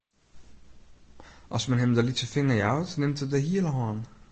As men him de lytse finger jout, nimt er de hiele hân.